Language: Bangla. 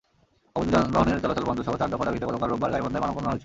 অবৈধ যানবাহনের চলাচল বন্ধসহ চার দফা দাবিতে গতকাল রোববার গাইবান্ধায় মানববন্ধন হয়েছে।